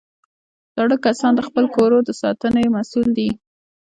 زاړه کسان د خپلو کورو د ساتنې مسؤل دي